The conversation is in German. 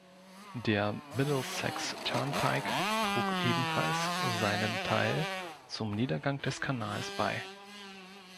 Der Middlesex Turnpike trug ebenfalls seinen Teil zum Niedergang des Kanals bei.